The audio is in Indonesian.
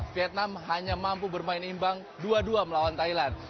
vietnam hanya mampu bermain imbang dua dua melawan thailand